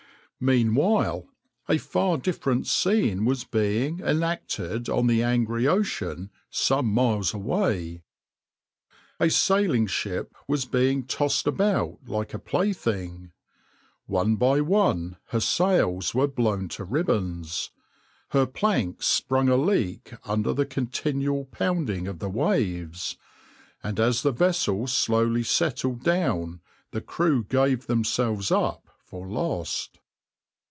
\par Meanwhile a far different scene was being enacted on the angry ocean some miles away. A sailing ship was being tossed about like a plaything. One by one her sails were blown to ribbons, her planks sprung a leak under the continued pounding of the waves, and as the vessel slowly settled down the crew gave themselves up for lost.